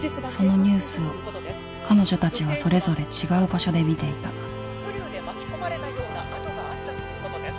そのニュースを彼女たちはそれぞれ違う場所で見ていたスクリューで巻き込まれたような痕があったということです。